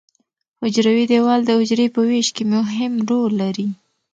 حجروي دیوال د حجرې په ویش کې مهم رول لري.